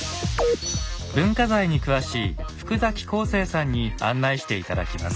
文化財に詳しい福孝成さんに案内して頂きます。